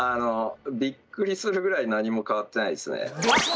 びっくりするぐらい何も変わってないですね。